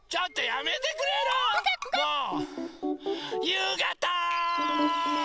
ゆうがた！